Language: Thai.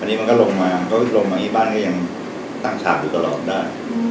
อันนี้มันก็ลงมาบ้านก็ยังตั้งฉากอยู่ตลอดได้